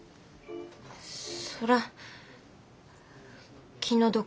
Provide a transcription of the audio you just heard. そら気の毒やな。